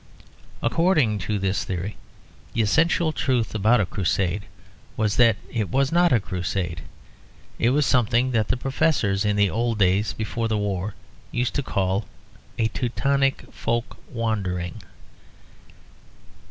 According to this theory the essential truth about a Crusade was that it was not a Crusade. It was something that the professors, in the old days before the war, used to call a Teutonic Folk Wandering.